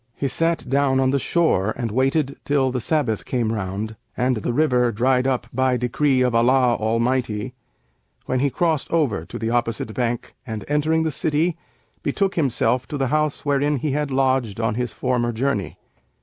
He sat down on the shore and waited till the Sabbath came round and the river dried up by decree of Allah Almighty, when he crossed over to the opposite bank and, entering the city, betook himself to the house wherein he had lodged on his former journey.